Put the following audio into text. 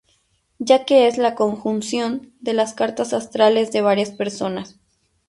Ya que es la conjunción de las cartas astrales de varias personas.